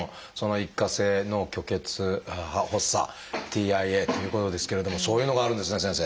一過性脳虚血発作ＴＩＡっていうことですけれどもそういうのがあるんですね先生。